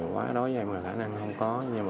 của bệnh nhân